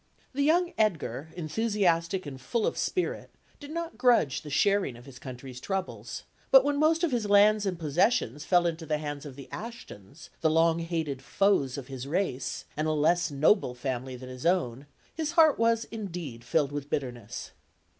The young Edgar, enthusiastic and full of spirit, did not grudge the sharing of his country's troubles; but when most of his lands and possessions fell into the hands of the Ashtons, the long hated foes of his race, and a less noble family than his own, his heart was indeed filled with bitterness.